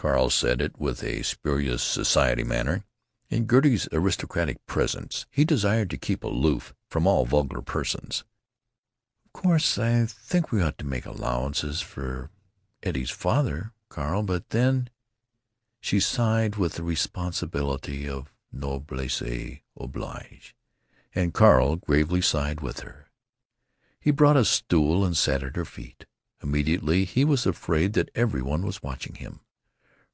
Carl said it with a spurious society manner. In Gertie's aristocratic presence he desired to keep aloof from all vulgar persons. "Of course, I think we ought to make allowances for Eddie's father, Carl, but then——" She sighed with the responsibilities of noblesse oblige; and Carl gravely sighed with her. He brought a stool and sat at her feet. Immediately he was afraid that every one was watching him.